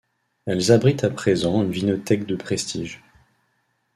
Elles abritent à présent une vinothèque de prestige.